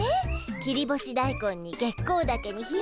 切り干し大根に月光ダケにひよこ豆。